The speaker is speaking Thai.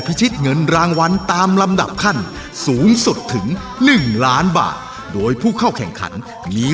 เป็นแบบนี้